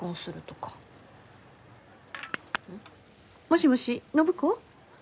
もしもし暢子？